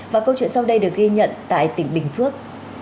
và câu chuyện sau đây được ghi nhận tại tỉnh bình phước